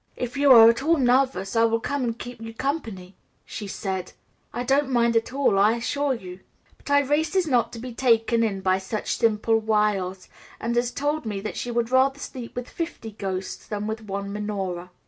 "If you are at all nervous, I will come and keep you company," she said; "I don't mind at all, I assure you." But Irais is not to be taken in by such simple wiles, and has told me she would rather sleep with fifty ghosts than with one Minora.